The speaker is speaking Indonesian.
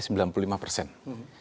jadi teknologi apa ini